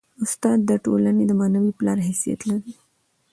استاد د ټولني د معنوي پلار حیثیت لري.